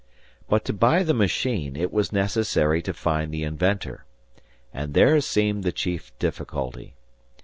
But to buy the machine, it was necessary to find the inventor; and there seemed the chief difficulty.